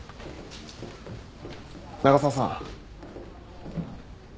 長澤さん。